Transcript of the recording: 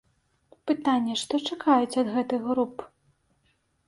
Пытанне, што чакаюць ад гэтых груп?